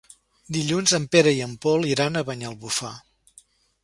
Dilluns en Pere i en Pol iran a Banyalbufar.